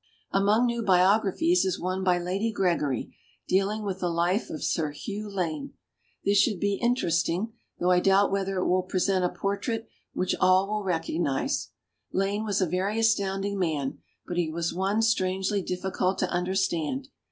*««« Among new biographies is one by Lady Gregory dealing with the life of Sir Hugh Lane. This should be inter esting, though I doubt whether it will present a portrait which all will recog nize. Lane was a very astounding man, but he was one strangely difiicult to understand.